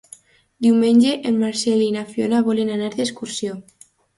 Diumenge en Marcel i na Fiona volen anar d'excursió.